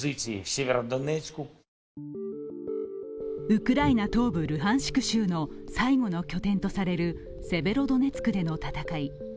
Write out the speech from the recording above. ウクライナ東部ルハンシク州の最後の拠点とされるセベロドネツクでの戦い。